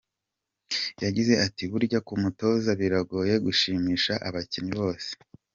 Yagize ati “Burya ku mutoza biragoye gushimisha abakinnyi bose.